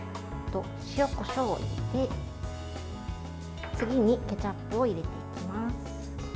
塩、こしょうを入れて次にケチャップを入れていきます。